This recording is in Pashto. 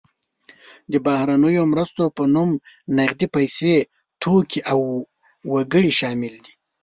د بهرنیو مرستو په نوم نغدې پیسې، توکي او وګړي شامل دي.